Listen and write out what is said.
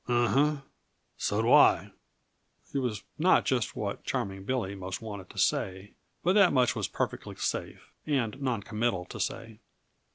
"Uh huh so do I." It was not just what Charming Billy most wanted to say, but that much was perfectly safe, and noncommittal to say.